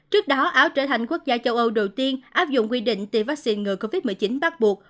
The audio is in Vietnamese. trước đó áo trở thành quốc gia châu âu đầu tiên áp dụng quy định tiêm vaccine ngừa covid một mươi chín bắt buộc